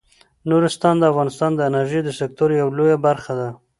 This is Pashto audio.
نورستان د افغانستان د انرژۍ د سکتور یوه لویه برخه ده.